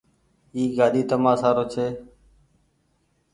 اي گآڏي تمآ سآرو ڇي۔